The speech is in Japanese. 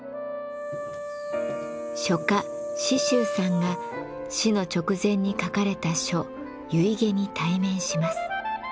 書家紫舟さんが死の直前に書かれた書遺偈に対面します。